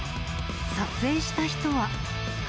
撮影した人は。